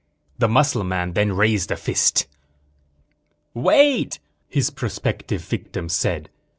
The muscle man then raised a fist. "Wait," his prospective victim said.